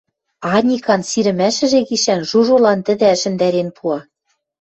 Аникан сирӹмӓшӹжӹ гишӓн Жужолан тӹдӹ ӓшӹндӓрен пуа.